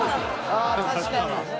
ああ確かに。